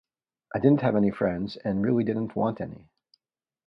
I didn't have any friends and really didn't want any.